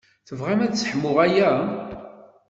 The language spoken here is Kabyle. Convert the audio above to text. Tebɣam ad sseḥmuɣ aya?